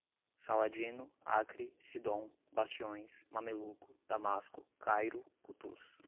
Saladino, Acre, Sidom, bastiões, mameluco, Damasco, Cairo, Cutuz